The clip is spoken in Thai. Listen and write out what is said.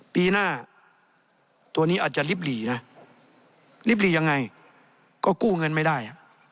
ปีหน้าตัวนี้อาจจะลิบหลีนะลิบหลียังไงก็กู้เงินไม่ได้